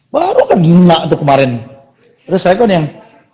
baru kena tuh kemarin terus saya kan yang